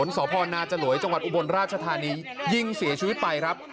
สพนาจลวยจังหวัดอุบลราชธานียิงเสียชีวิตไปครับ